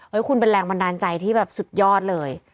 คุณเป็นแรงบันดาลใจที่แบบสุดยอดเลย